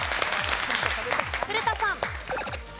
古田さん。